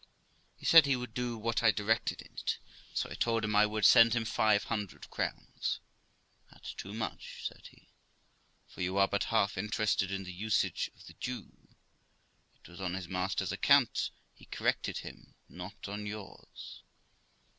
He said he would do what I directed in it; so I told him I would send him five hundred crowns. 'That's too much', said he, 'for you are but half interested in the usage of the Jew; it was on his master's account he corrected him, not on yours.'